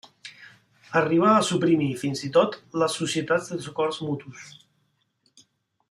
Arribà a suprimir, fins i tot, les societats de socors mutus.